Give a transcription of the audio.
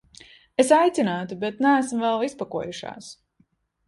Es aicinātu, bet neesam vēl izpakojušās.